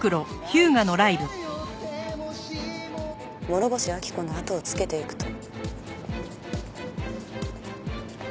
諸星秋子のあとをつけていくと。